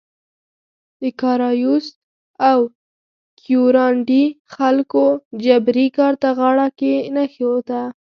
د کارایوس او کیورانډي خلکو جبري کار ته غاړه کې نه ایښوده.